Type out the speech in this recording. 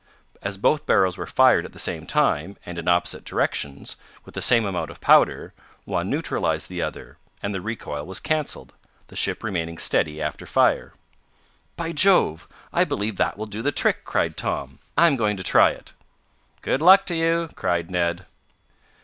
As both barrels were fired at the same time, and in opposite directions, with the same amount of powder, one neutralized the other, and the recoil was canceled, the ship remaining steady after fire. "By Jove! I believe that will do the trick!" cried Tom. "I'm going to try it." "Good luck to you!" cried Ned.